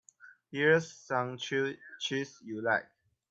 Here's some cheese you like.